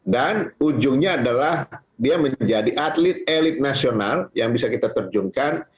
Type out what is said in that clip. dan ujungnya adalah dia menjadi atlet elit nasional yang bisa kita terjungkan